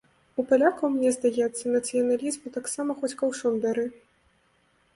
У палякаў, мне здаецца, нацыяналізму таксама хоць каўшом бяры.